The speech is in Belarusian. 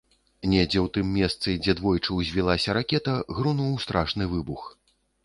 Недзе ў тым месцы, дзе двойчы ўзвілася ракета, грунуў страшны выбух.